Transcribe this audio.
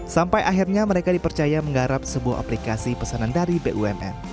sampai akhirnya mereka dipercaya menggarap sebuah aplikasi pesanan dari bumn